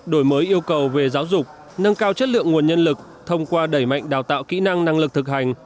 đổi mới yêu cầu về giáo dục nâng cao chất lượng nguồn nhân lực thông qua đẩy mạnh đào tạo kỹ năng năng lực thực hành